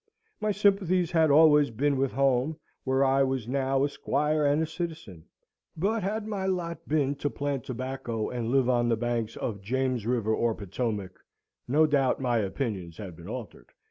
My sympathies had always been with home, where I was now a squire and a citizen: but had my lot been to plant tobacco, and live on the banks of James River or Potomac, no doubt my opinions had been altered.